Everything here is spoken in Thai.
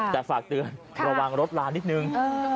แต่ฝากเตือนระวังรถลานิดนึง